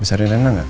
besarin rena enggak